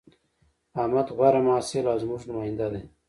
احمد غوره محصل او زموږ نماینده دی